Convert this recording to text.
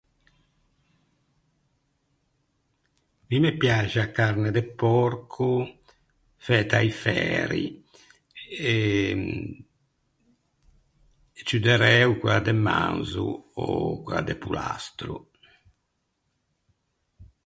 Mi me piaxe a carne de pòrco, fæta a-i færi, e ciù de ræo quella de manzo ò quella de pollastro.